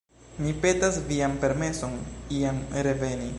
Mi petas vian permeson iam reveni.